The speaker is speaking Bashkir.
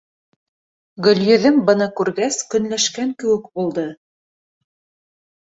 Гөлйөҙөм, быны күргәс, көнләшкән кеүек булды: